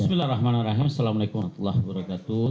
bismillahirrahmanirrahim assalamu'alaikum warahmatullahi wabarakatuh